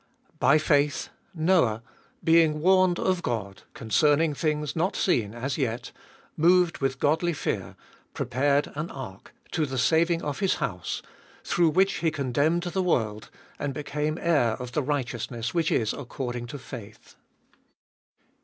By faith Noah, being warned of God concerning things not seen as yet, moved with godly fear, prepared an ark to the saving of his house ; through which he condemned the world, and became heir of the righteousness which is according to faith.